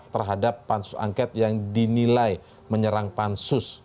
terhadap pansus angket yang dinilai menyerang pansus